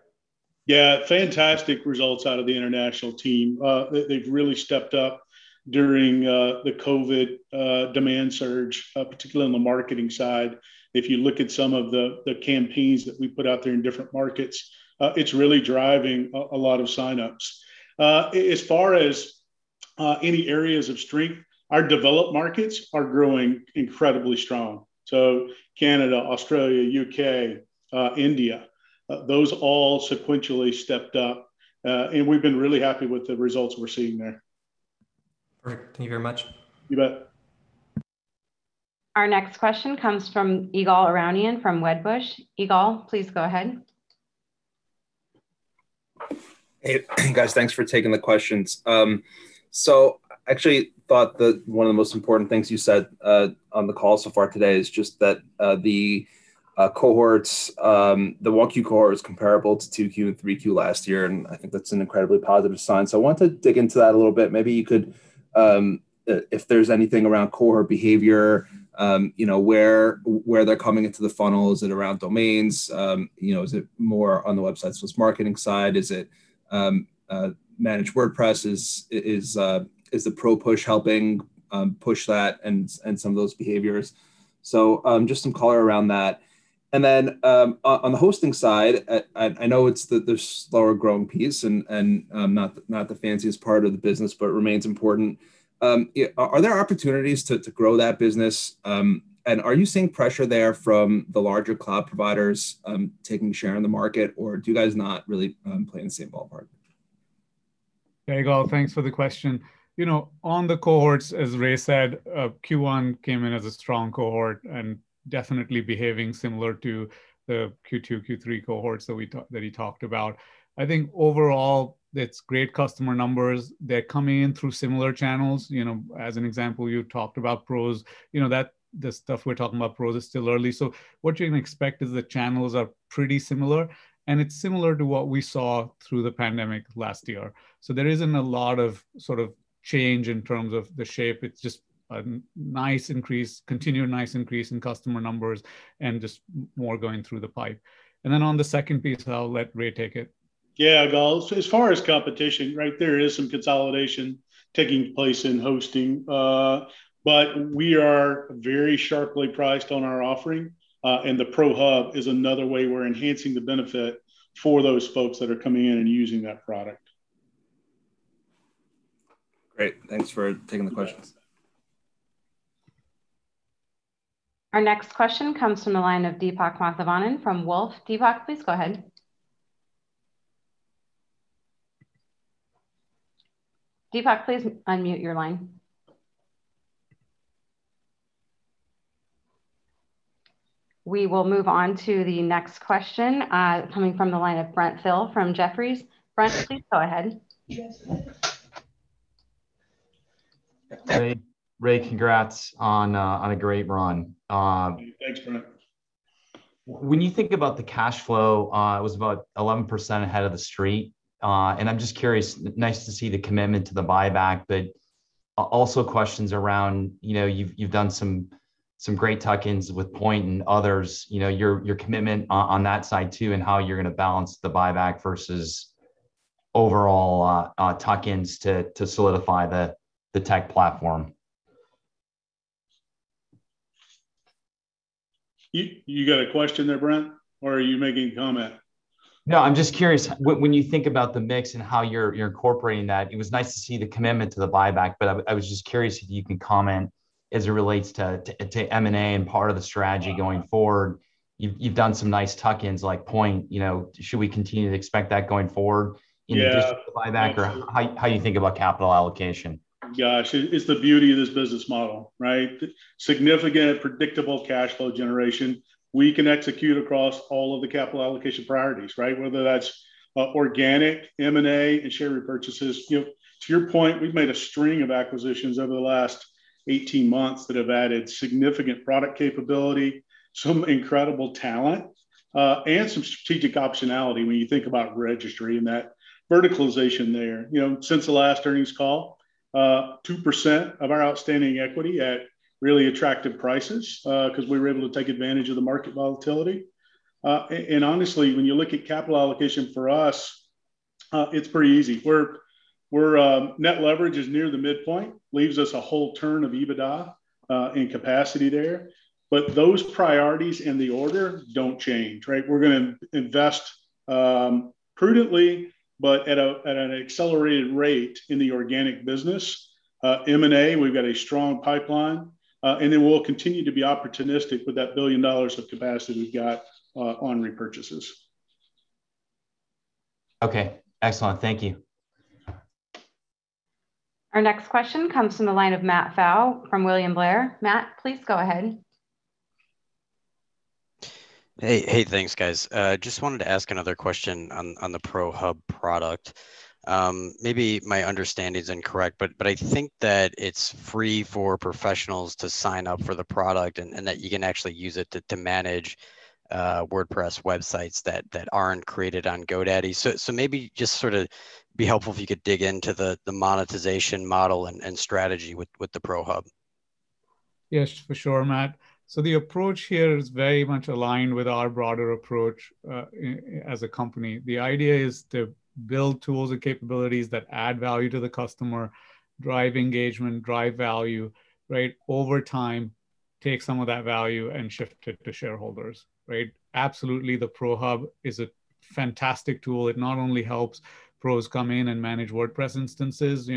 Yeah. Fantastic results out of the international team. They've really stepped up during the COVID demand surge, particularly on the marketing side. If you look at some of the campaigns that we put out there in different markets, it's really driving a lot of signups. As far as any areas of strength, our developed markets are growing incredibly strong. Canada, Australia, U.K., India, those all sequentially stepped up. We've been really happy with the results we're seeing there. Perfect. Thank you very much. You bet. Our next question comes from Ygal Arounian from Wedbush. Ygal, please go ahead. Hey, guys. Thanks for taking the questions. Actually thought that one of the most important things you said on the call so far today is just that the cohorts, the 1Q cohort is comparable to 2Q and 3Q last year, and I think that's an incredibly positive sign. I want to dig into that a little bit. Maybe you could, if there's anything around cohort behavior, where they're coming into the funnel. Is it around domains? Is it more on the Websites + Marketing side? Is it Managed WordPress? Is the ProPush helping push that and some of those behaviors? Just some color around that. On the hosting side, I know it's the slower growing piece and not the fanciest part of the business, but remains important. Are there opportunities to grow that business? Are you seeing pressure there from the larger cloud providers taking share in the market, or do you guys not really play in the same ballpark? Hey, Ygal, thanks for the question. On the cohorts, as Ray said, Q1 came in as a strong cohort and definitely behaving similar to the Q2, Q3 cohorts that he talked about. I think overall, it's great customer numbers. They're coming in through similar channels. As an example, you talked about pros. The stuff we're talking about pros is still early, what you're going to expect is the channels are pretty similar, and it's similar to what we saw through the pandemic last year. There isn't a lot of change in terms of the shape. It's just a nice increase, continued nice increase in customer numbers and just more going through the pipe. On the second piece, I'll let Ray take it. Yeah, Ygal. As far as competition, there is some consolidation taking place in hosting. We are very sharply priced on our offering. The Pro Hub is another way we're enhancing the benefit for those folks that are coming in and using that product. Great. Thanks for taking the questions. Our next question comes from the line of Deepak Mathivanan from Wolfe Research. Deepak, please go ahead. Deepak, please unmute your line. We will move on to the next question, coming from the line of Brent Thill from Jefferies. Brent, please go ahead. Ray, congrats on a great run. Thanks, Brent. When you think about the cash flow, it was about 11% ahead of the street. I'm just curious, nice to see the commitment to the buyback, but also questions around, you've done some great tuck-ins with Poynt and others, your commitment on that side too, and how you're going to balance the buyback versus overall tuck-ins to solidify the tech platform. You got a question there, Brent, or are you making a comment? No, I'm just curious. When you think about the mix and how you're incorporating that, it was nice to see the commitment to the buyback, but I was just curious if you could comment as it relates to M&A and part of the strategy going forward. You've done some nice tuck-ins like Poynt. Should we continue to expect that going forward? Yeah. Just buyback or how you think about capital allocation. Gosh, it's the beauty of this business model, right? Significant, predictable cash flow generation. We can execute across all of the capital allocation priorities, right? Whether that's organic M&A and share repurchases. To your point, we've made a string of acquisitions over the last 18 months that have added significant product capability, some incredible talent, and some strategic optionality when you think about registry and that verticalization there. Since the last earnings call, 2% of our outstanding equity at really attractive prices, because we were able to take advantage of the market volatility. Honestly, when you look at capital allocation for us, it's pretty easy. Net leverage is near the midpoint, leaves us a whole turn of EBITDA in capacity there. Those priorities in the order don't change, right? We're going to invest prudently, but at an accelerated rate in the organic business. M&A, we've got a strong pipeline, and then we'll continue to be opportunistic with that $1 billion of capacity we've got on repurchases. Okay. Excellent. Thank you. Our next question comes from the line of Matthew Pfau from William Blair. Matt, please go ahead. Thanks, guys. Just wanted to ask another question on the Pro Hub product. Maybe my understanding's incorrect, but I think that it's free for professionals to sign up for the product and that you can actually use it to manage WordPress websites that aren't created on GoDaddy. Maybe just sort of be helpful if you could dig into the monetization model and strategy with the Pro Hub. For sure, Matt. The approach here is very much aligned with our broader approach as a company. The idea is to build tools and capabilities that add value to the customer, drive engagement, drive value, right? Over time, take some of that value and shift it to shareholders. Right? Absolutely, the Pro Hub is a fantastic tool. It not only helps pros come in and manage WordPress instances,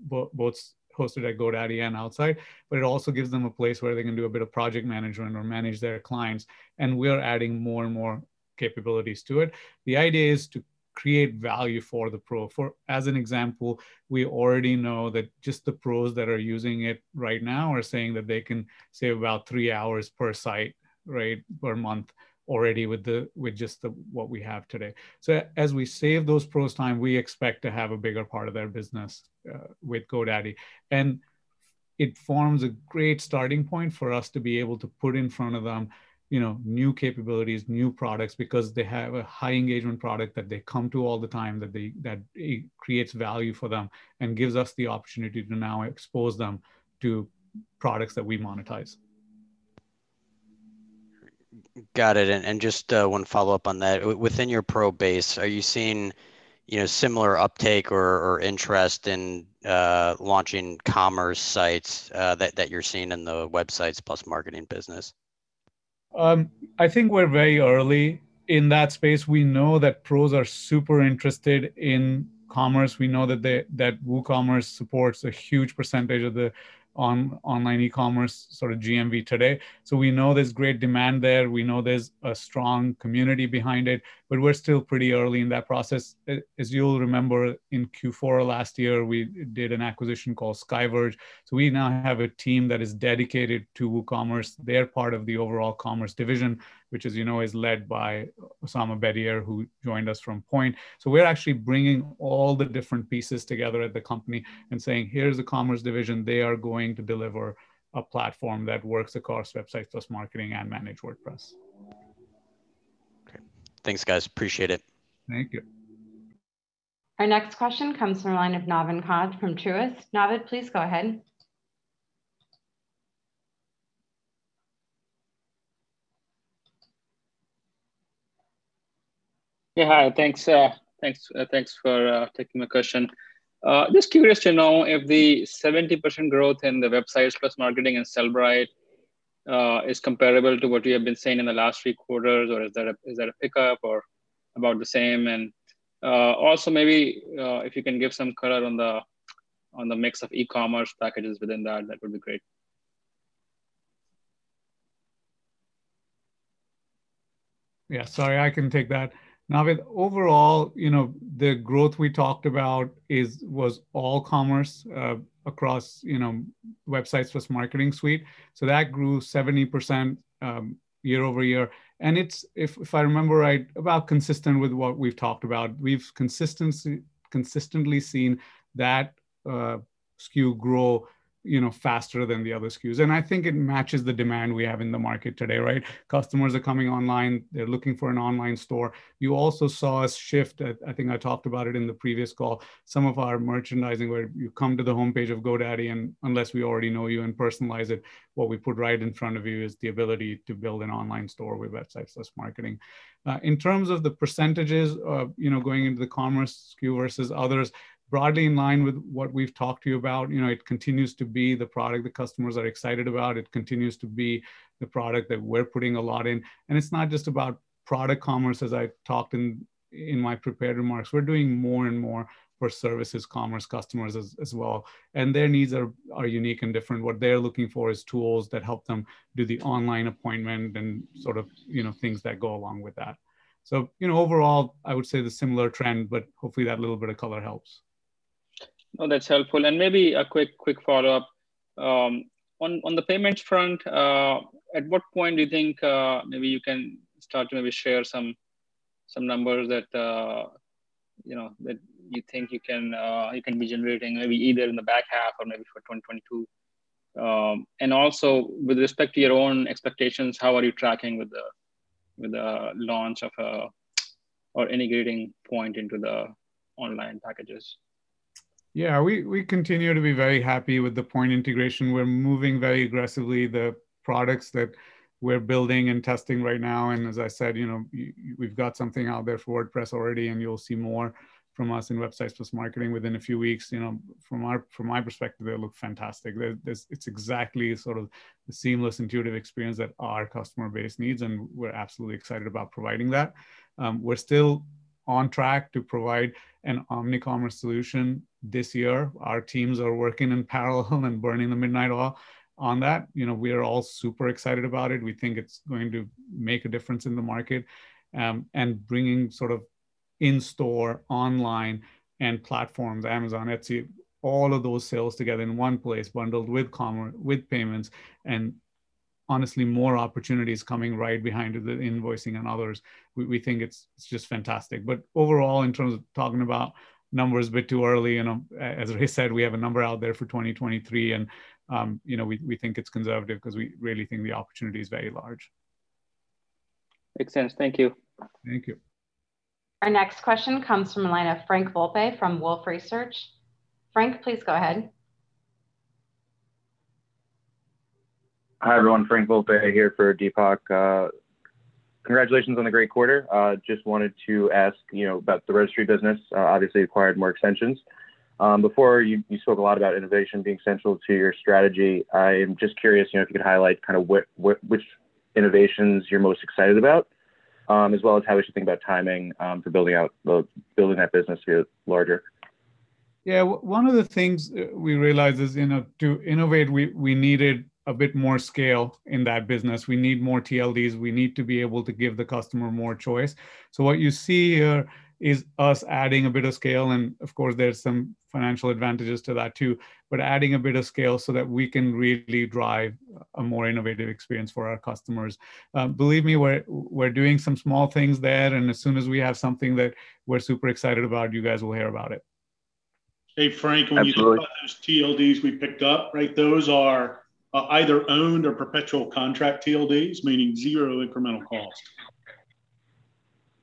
both hosted at GoDaddy and outside, but it also gives them a place where they can do a bit of project management or manage their clients, and we're adding more and more capabilities to it. The idea is to create value for the pro. As an example, we already know that just the pros that are using it right now are saying that they can save about three hours per site, per month already with just what we have today. As we save those pros time, we expect to have a bigger part of their business with GoDaddy. It forms a great starting point for us to be able to put in front of them new capabilities, new products, because they have a high engagement product that they come to all the time, that creates value for them and gives us the opportunity to now expose them to products that we monetize. Got it. Just one follow-up on that. Within your pro base, are you seeing similar uptake or interest in launching commerce sites that you're seeing in the Websites + Marketing business? I think we're very early in that space. We know that pros are super interested in commerce. We know that WooCommerce supports a huge percentage of the online e-commerce sort of GMV today. We know there's great demand there, we know there's a strong community behind it, but we're still pretty early in that process. As you'll remember, in Q4 last year, we did an acquisition called SkyVerge. We now have a team that is dedicated to WooCommerce. They're part of the overall commerce division, which as you know, is led by Osama Bedier, who joined us from Poynt. We're actually bringing all the different pieces together at the company and saying, "Here's the commerce division. They are going to deliver a platform that works across Websites + Marketing and Managed WordPress. Okay. Thanks, guys. Appreciate it. Thank you. Our next question comes from the line of Naved Khan from Truist. Naved, please go ahead. Yeah, hi. Thanks for taking my question. Just curious to know if the 70% growth in the Websites + Marketing and Sellbrite is comparable to what you have been saying in the last three quarters, or is that a pickup, or about the same? Also maybe if you can give some color on the mix of e-commerce packages within that would be great. Yeah, sorry, I can take that. Naved, overall, the growth we talked about was all commerce across Websites + Marketing suite. That grew 70% year-over-year, and if I remember right, about consistent with what we've talked about. We've consistently seen that SKU grow faster than the other SKUs, and I think it matches the demand we have in the market today, right? Customers are coming online. They're looking for an online store. You also saw us shift, I think I talked about it in the previous call, some of our merchandising where you come to the homepage of GoDaddy, and unless we already know you and personalize it, what we put right in front of you is the ability to build an online store with Websites + Marketing. In terms of the percentages, going into the commerce SKU versus others, broadly in line with what we've talked to you about. It continues to be the product the customers are excited about. It continues to be the product that we're putting a lot in. It's not just about product commerce, as I talked in my prepared remarks. We're doing more and more for services commerce customers as well, and their needs are unique and different. What they're looking for is tools that help them do the online appointment and sort of things that go along with that. Overall, I would say the similar trend, but hopefully that little bit of color helps. No, that's helpful. Maybe a quick follow-up. On the payments front, at what point do you think maybe you can start to maybe share some numbers that you think you can be generating, maybe either in the back half or maybe for 2022? Also, with respect to your own expectations, how are you tracking with the launch of or integrating Poynt into the online packages? Yeah, we continue to be very happy with the Poynt integration. We're moving very aggressively the products that we're building and testing right now, and as I said, we've got something out there for WordPress already. You'll see more from us in Websites + Marketing within a few weeks. From my perspective, they look fantastic. It's exactly the sort of seamless, intuitive experience that our customer base needs, and we're absolutely excited about providing that. We're still on track to provide an omnicommerce solution this year. Our teams are working in parallel and burning the midnight oil on that. We are all super excited about it. We think it's going to make a difference in the market, and bringing sort of in-store, online, and platforms, Amazon, Etsy, all of those sales together in one place, bundled with commerce, with payments, and honestly, more opportunities coming right behind with the invoicing and others. We think it's just fantastic. Overall, in terms of talking about numbers, a bit too early. As Ray said, we have a number out there for 2023, and we think it's conservative because we really think the opportunity is very large. Makes sense. Thank you. Thank you. Our next question comes from the line of Frank Volpe from Wolfe Research. Frank, please go ahead. Hi, everyone, Frank Volpe here for Deepak. Congratulations on the great quarter. Just wanted to ask about the registry business. Obviously acquired more extensions. Before, you spoke a lot about innovation being central to your strategy. I'm just curious if you could highlight which innovations you're most excited about, as well as how we should think about timing for building that business here larger. One of the things we realized is to innovate, we needed a bit more scale in that business. We need more TLDs. We need to be able to give the customer more choice. What you see here is us adding a bit of scale, and of course, there's some financial advantages to that, too. Adding a bit of scale so that we can really drive a more innovative experience for our customers. Believe me, we're doing some small things there, and as soon as we have something that we're super excited about, you guys will hear about it. Hey, Frank. Absolutely When you talk about those TLDs we picked up, right, those are either owned or perpetual contract TLDs, meaning zero incremental cost.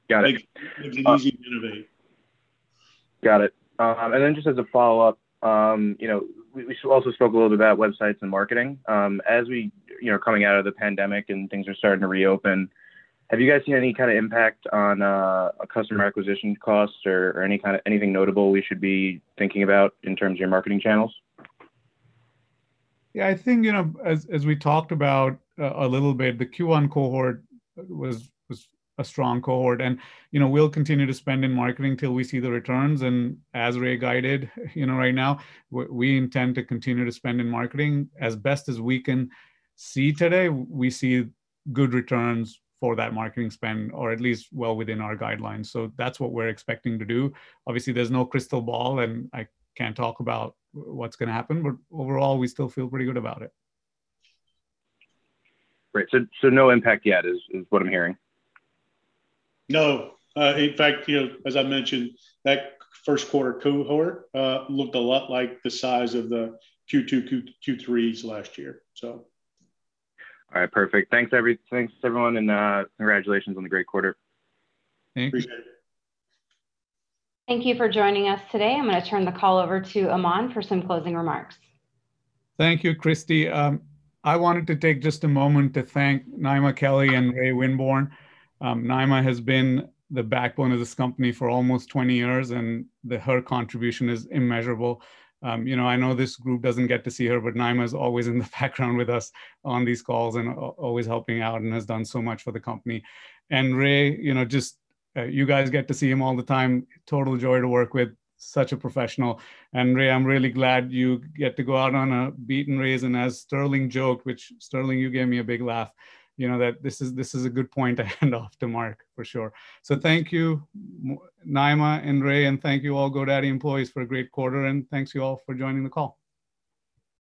Got it. Makes it easy to innovate. Got it. Just as a follow-up, we also spoke a little bit about Websites + Marketing. As coming out of the pandemic and things are starting to reopen, have you guys seen any kind of impact on customer acquisition costs or anything notable we should be thinking about in terms of your marketing channels? Yeah, I think, as we talked about a little bit, the Q1 cohort was a strong cohort. We'll continue to spend in marketing till we see the returns. As Ray guided, right now, we intend to continue to spend in marketing. As best as we can see today, we see good returns for that marketing spend, or at least well within our guidelines. That's what we're expecting to do. Obviously, there's no crystal ball, I can't talk about what's going to happen. Overall, we still feel pretty good about it. Great. No impact yet is what I'm hearing? No. In fact, as I mentioned, that first quarter cohort looked a lot like the size of the Q2, Q3s last year. All right, perfect. Thanks, everyone, and congratulations on the great quarter. Thanks. Appreciate it. Thank you for joining us today. I'm going to turn the call over to Aman for some closing remarks. Thank you, Christie. I wanted to take just a moment to thank Nima Kelly and Ray Winborne. Nima has been the backbone of this company for almost 20 years. Her contribution is immeasurable. I know this group doesn't get to see her, Nima's always in the background with us on these calls and always helping out and has done so much for the company. Ray, you guys get to see him all the time. Total joy to work with. Such a professional. Ray, I'm really glad you get to go out on a beat and raise, as Sterling joked, which Sterling, you gave me a big laugh, that this is a good point to hand off to Mark, for sure. Thank you, Nima and Ray, thank you all GoDaddy employees for a great quarter, thanks, you all, for joining the call.